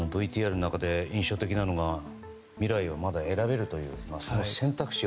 ＶＴＲの中で印象的だったのが未来は、まだ選べるという言葉。